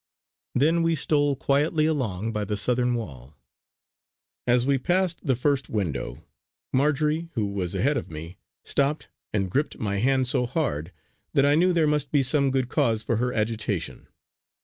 Then we stole quietly along by the southern wall. As we passed the first window, Marjory who was ahead of me stopped and gripped my hand so hard that I knew there must be some good cause for her agitation.